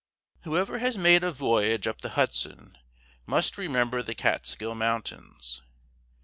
] WHOEVER has made a voyage up the Hudson must remember the Kaatskill mountains.